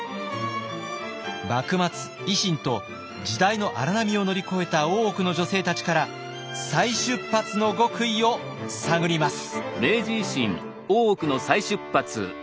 幕末維新と時代の荒波を乗り越えた大奥の女性たちから再出発の極意を探ります。